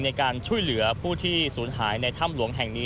ในการช่วยเหลือผู้ที่ศูนย์หายในถ้ำหลวงแห่งนี้